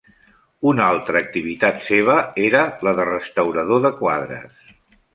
Una altra activitat seva era la de restaurador de quadres.